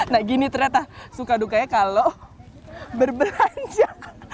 nah gini ternyata suka dukanya kalau berbelanja